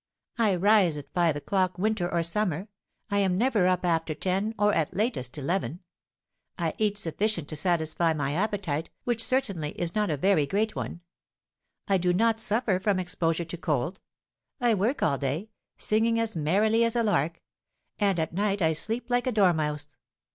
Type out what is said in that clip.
I rise at five o'clock, winter or summer; I am never up after ten, or, at latest, eleven; I eat sufficient to satisfy my appetite, which certainly is not a very great one; I do not suffer from exposure to cold; I work all day, singing as merrily as a lark; and at night I sleep like a dormouse.